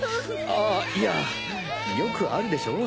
あいやよくあるでしょ？